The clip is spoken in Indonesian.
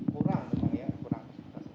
kurang memang ya kurang